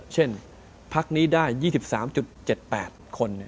เช่นพักนี้ได้๒๓๗๘คนเนี่ย